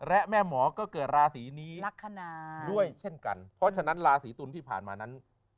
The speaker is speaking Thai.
และแม่หมอก็เกิดราศีนี้ลักษณะด้วยเช่นกันเพราะฉะนั้นราศีตุลที่ผ่านมานั้น